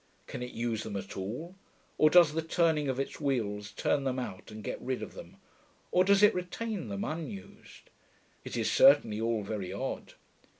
Can it use them at all, or does the turning of its wheels turn them out and get rid of them, or does it retain them, unused? It is certainly all very odd.